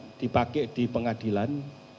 tidak bisa dipakai di pengadilan